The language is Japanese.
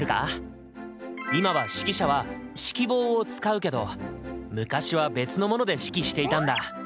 今は指揮者は指揮棒を使うけど昔は別のもので指揮していたんだ。